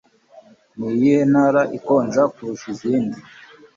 Niyihe ntara ikonja kurusha izindi?